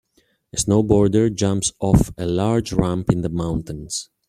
A snowboarder jumps off a large ramp in the mountains.